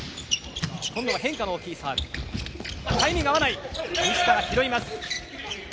今度は変化の多いサーブタイミングが合わない西田が拾います。